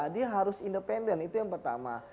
dia harus independen itu yang pertama